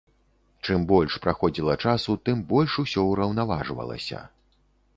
Чым больш праходзіла часу, тым больш усё ўраўнаважвалася.